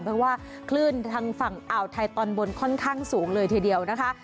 เพราะว่าคลื่นทางฝั่งอ่าวไทยตอนบนค่อนข้างสูงเลยทีเดียวนะคะ